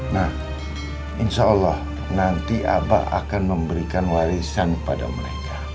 nah insya allah nanti abah akan memberikan warisan pada mereka